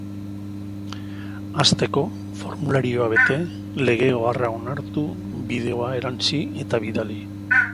Hasteko, formularioa bete, lege oharra onartu, bideoa erantsi eta bidali.